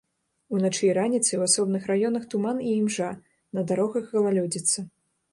Уначы і раніцай у асобных раёнах туман і імжа, на дарогах галалёдзіца.